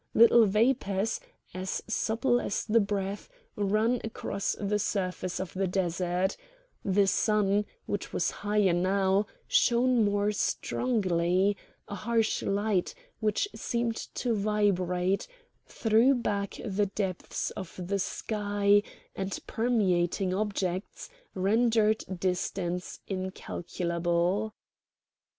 Little vapours, as subtle as the breath, ran across the surface of the desert; the sun, which was higher now, shone more strongly: a harsh light, which seemed to vibrate, threw back the depths of the sky, and permeating objects, rendered distance incalculable.